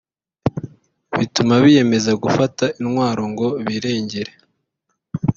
bituma biyemeza gufata intwaro ngo birengere